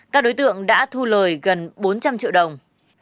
các đối tượng đã thu lời gần bốn trăm linh triệu đồng